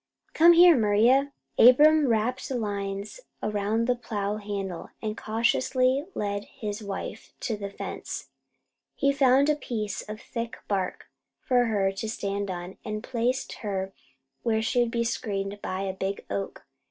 Come here, Maria!" Abram wrapped the lines around the plow handle, and cautiously led his wife to the fence. He found a piece of thick bark for her to stand on, and placed her where she would be screened by a big oak.